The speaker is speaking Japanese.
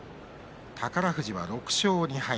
宝富士は６勝２敗。